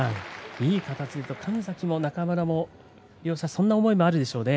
いい形でと神崎も中村も両者そんな思いがあるでしょうね。